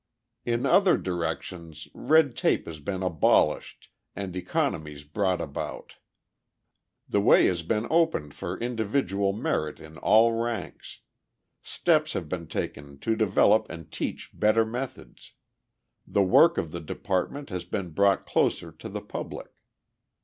In other directions red tape has been abolished and economies brought about; the way has been opened for individual merit in all ranks; steps have been taken to develop and teach better methods; the work of the department has been brought closer to the public.